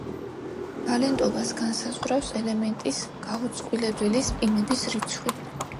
ვალენტობას განსაზღვრავს ელემენტის გაუწყვილებელი სპინების რიცხვი.